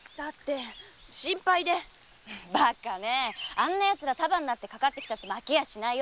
あんなヤツら束になってかかってきたって負けやしないよ。